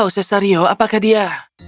oh cesario apakah dia